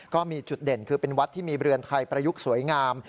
ก็มีจุดเด่นคือเป็นวัดที่มีเรือนไทยประยุกต์สวยงาม